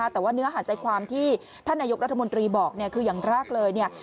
แต่ว่าเนื้อหาใจความที่ท่านนายกรัฐมนตรีบอกคืออย่างแรกเลยเนี่ย